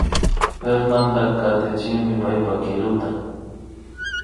Fernanda katichinmi paypa kiruta